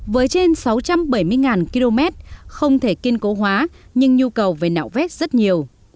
với trên sáu trăm bảy mươi km không thể kiên cố hóa nhưng nhu cầu về nạo vét rất nhiều